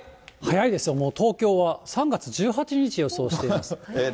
早いですよ、もう東京は３月１８日を予想してます。